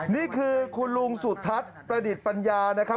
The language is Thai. นี่คือคุณลุงสุทัศน์ประดิษฐ์ปัญญานะครับ